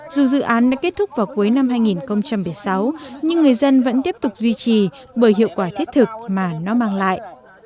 dù dự án đã kết thúc vào cuối năm hai nghìn một mươi sáu nhưng người dân vẫn tiếp tục duy trì bởi hiệu quả thiết thực mà nó mang lại